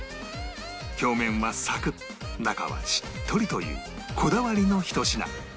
表面はサクッ中はしっとりというこだわりのひと品